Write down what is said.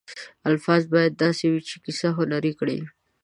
الفاظ باید داسې وي چې کیسه هنري کړي.